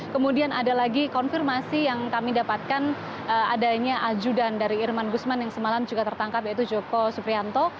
kemudian ada lagi konfirmasi yang kami dapatkan adanya ajudan dari irman gusman yang semalam juga tertangkap yaitu joko suprianto